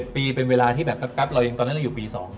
ปีเป็นเวลาที่แบบก๊อปเราเองตอนนั้นเราอยู่ปี๒